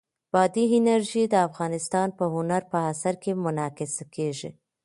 بادي انرژي د افغانستان په هنر په اثار کې منعکس کېږي.